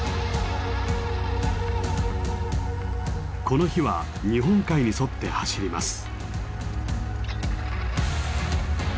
この日は日本海に沿って走ります。